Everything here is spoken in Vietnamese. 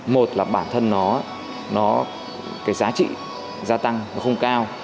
một là bản thân nó cái giá trị gia tăng nó không cao